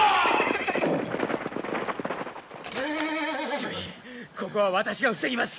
父上ここは私が防ぎます！